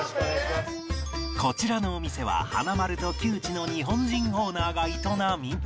こちらのお店は華丸と旧知の日本人オーナーが営み